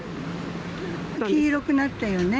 黄色くなったよね。